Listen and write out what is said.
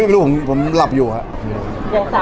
อย่างสาวไว้นั่น